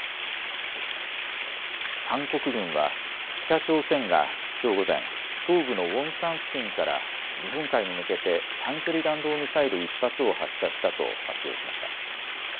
韓国軍は北朝鮮がきょう午前、東部のウォンサン付近から日本海に向けて短距離弾道ミサイル１発を発射したと発表しました。